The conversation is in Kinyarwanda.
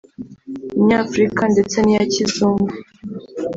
inyafurika ndetse n’iya kizungu